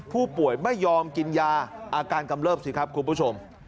ผู้ป่วยไม่ยอมกินยาอาการกำเริบสิครับคุณผู้ชม